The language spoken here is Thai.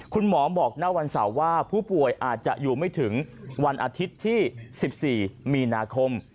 คุณหมอบอกณวันเสาร์ว่าผู้ป่วยอาจจะอยู่ไม่ถึงวันอาทิตย์ที่๑๔มีนาคม